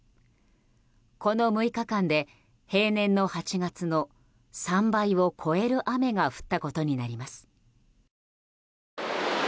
この６日間で平年の８月の３倍を超える雨が降ったことになります。